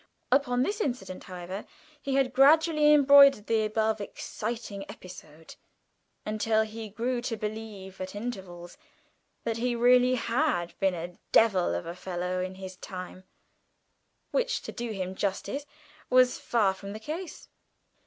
Upon this incident, however, he had gradually embroidered the above exciting episode, until he grew to believe at intervals that he really had been a devil of a fellow in his time, which, to do him justice, was far from the case.